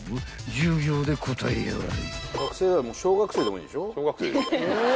［１０秒で答えやがれ］